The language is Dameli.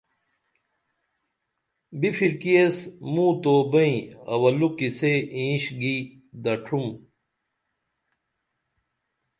بِپھرکی ایس مو تو بئیں اولوکی سے اینش گی دڇُھم